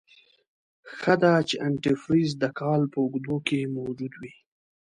ښه ده چې انتي فریز دکال په اوږدو کې موجود وي.